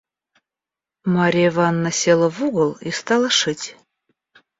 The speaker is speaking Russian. Марья Ивановна села в угол и стала шить.